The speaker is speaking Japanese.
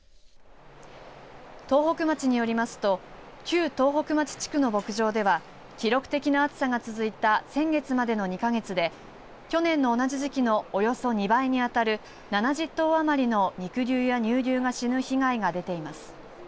東北町によりますと旧東北町地区の牧場では記録的な暑さが続いた先月までの２か月で去年の同じ時期のおよそ２倍に当たる７０頭余りの肉牛や乳牛が死ぬ被害が出ています。